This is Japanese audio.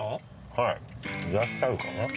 はいいらっしゃるかな？